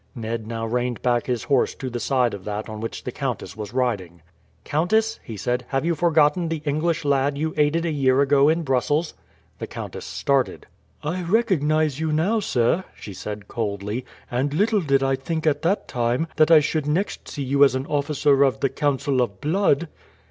Ned now reined back his horse to the side of that on which the countess was riding. "Countess," he said, "have you forgotten the English lad you aided a year ago in Brussels?" The countess started. "I recognize you now, sir," she said coldly; "and little did I think at that time that I should next see you as an officer of the Council of Blood."